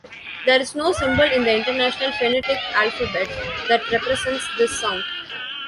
There is no symbol in the International Phonetic Alphabet that represents this sound.